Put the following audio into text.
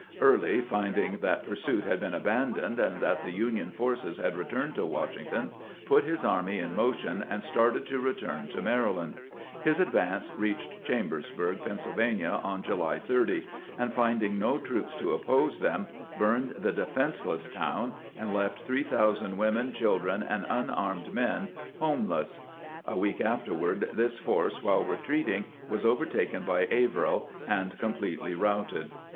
Early, finding that pursuit had been abandoned, and that the Union forces had returned to "Washington, put his army in motion and started to return to Maryland. His advance reached Chambersburg, Pennsylvania, on July 30 ; and finding no troops to oppose them, burned the defenseless town, and left three thousand women, children, and unarmed men homeless. A week after ward this force, while retreating, was overtaken by Averell, and completely routed.